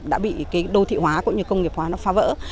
đã bị đô thị hóa cũng như công nghiệp hóa phá vỡ